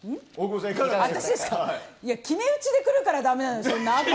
決め打ちで来るからだめなんですよ。